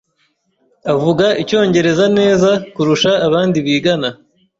Avuga icyongereza neza kurusha abandi bigana.